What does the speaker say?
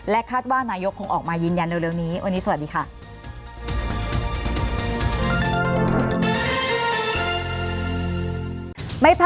และคาดว่านายกคงออกมายืนยันเร็วนี้